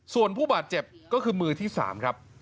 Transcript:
ส่วนผู้บาดเจ็บก็คือมือที่๓ครับ